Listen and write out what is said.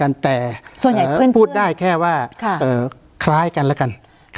การแสดงความคิดเห็น